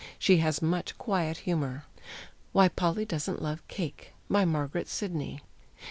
She has much quiet humor. WHY POLLY DOESN'T LOVE CAKE! BY MARGARET SIDNEY.